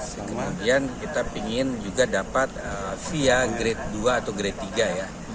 kemudian kita ingin juga dapat via grade dua atau grade tiga ya